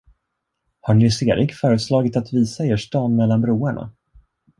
Har Nils Erik föreslagit att visa er stan mellan broarna?